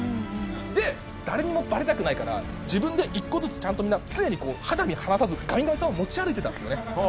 で誰にもバレたくないから自分で１個ずつちゃんとみんな常にこう肌身離さずガミガミさんを持ち歩いてたんですよね。